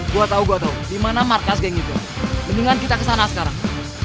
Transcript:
gue tau gue tau dimana markas geng itu mendingan kita kesana sekarang